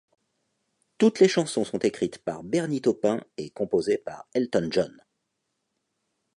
Toutes les chansons sont écrites par Bernie Taupin et composées par Elton John.